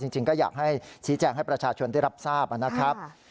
จริงก็อยากให้ชี้แจงให้ประชาชนได้รับทราบนะครับ